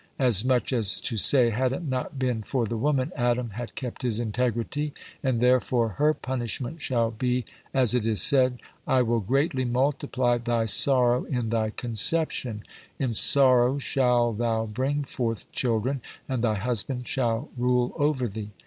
_" As much as to say Had it not been for the woman, Adam had kept his integrity, and therefore her punishment shall be, as it is said, "_I will greatly multiply thy sorrow in thy conception: in sorrow shall thou bring forth children and thy husband shall rule over thee_."